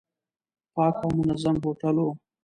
پاک او منظم هوټل و.